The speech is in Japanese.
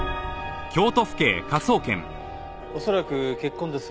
恐らく血痕です。